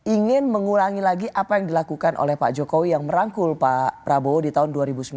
ingin mengurangi lagi apa yang dilakukan oleh pak jokowi yang merangkul pak prabowo di tahun dua ribu sembilan belas